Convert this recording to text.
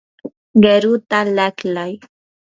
qiruta laqlay.